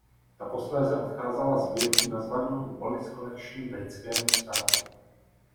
Ta posléze odkázala sbírku nazvanou Wallace Collection britskému státu.